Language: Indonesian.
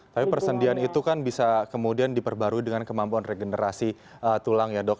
tapi persendian itu kan bisa kemudian diperbarui dengan kemampuan regenerasi tulang ya dok